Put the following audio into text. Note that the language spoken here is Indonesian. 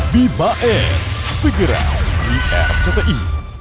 bibae segera di rti